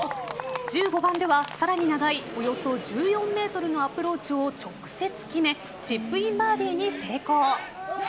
１５番では、さらに長いおよそ１４ｍのアプローチを直接決めチップインバーディーに成功。